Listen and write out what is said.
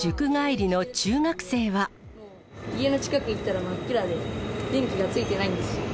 家の近くに行ったら真っ暗で、電気がついてないんですよ。